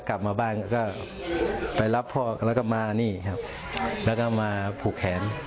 กลับมาไปรับพ่อมาพูดแขน